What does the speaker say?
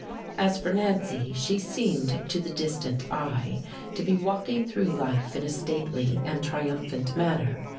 As for Nancy, she seemed to the distant eye to be walking through life in a stately and triumphant manner.